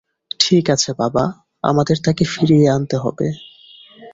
ঠিক আছে বাবা, আমাদের তাকে ফিরিয়ে আনতে হবে।